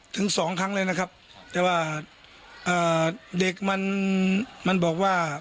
ถึงสองครั้งเลยนะครับแต่ว่าเอ่อเด็กมันมันบอกว่า